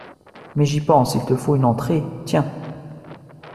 Mais, j’y pense, il te faut une entrée ; tiens…